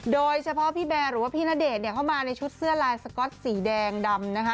โดยเฉพาะพี่แบร์หรือว่าพี่ณเดชน์เนี่ยเข้ามาในชุดเสื้อลายสก๊อตสีแดงดำนะคะ